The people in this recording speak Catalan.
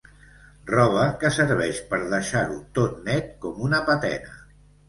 Roba que serveix per deixar-ho tot net com una patena.